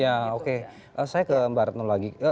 ya oke saya ke mbak retno lagi